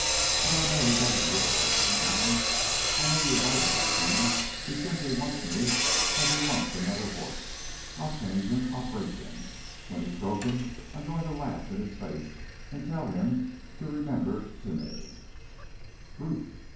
Oh, I know he doesn't really love me now. I know you're right about him. He simply wants me as he'd want another horse. I'll change him. I'll break him. When he's broken I'm going to laugh in his face and tell him to remember Timeh!" "Ruth!"